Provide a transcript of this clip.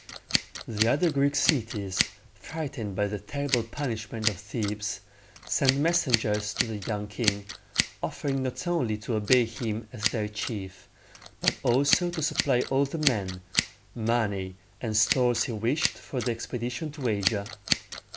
The other Greek cities, frightened by the terrible punishment of Thebes, sent messengers to the young king, offering not only to obey him as their chief, but also to supply all the men, money, and stores he wished for the expedition to Asia.